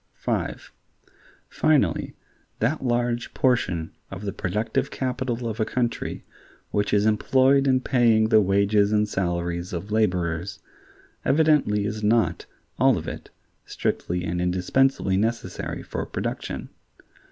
(5) Finally, that large portion of the productive capital of a country which is employed in paying the wages and salaries of laborers, evidently is not, all of it, strictly and indispensably necessary for production.